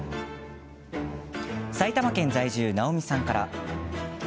埼玉県在住なおさんからです。